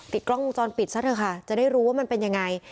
กล้องวงจรปิดซะเถอะค่ะจะได้รู้ว่ามันเป็นยังไง